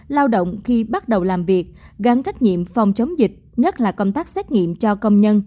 lao động khi bắt đầu làm việc gắn trách nhiệm phòng chống dịch nhất là công tác xét nghiệm cho công nhân